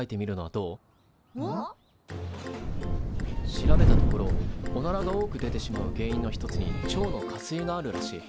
調べたところおならが多く出てしまう原因の一つに腸の下垂があるらしい。